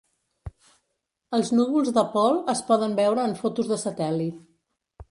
Els núvols de pol es poden veure en fotos de satèl·lit.